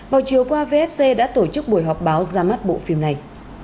vào chiều qua vfc đã tổ chức buổi họp báo ra mắt bộ phim này